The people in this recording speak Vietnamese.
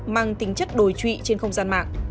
mang tính chất đổi trụy trên không gian mạng